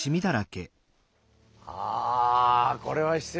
あこれは失礼。